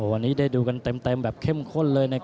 โอ้วันนี้ได้ดูกันเต็มเต็มแบบเข้มข้นเลยนะครับ